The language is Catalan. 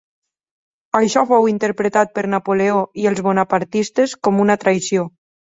Això fou interpretat per Napoleó i els bonapartistes com una traïció.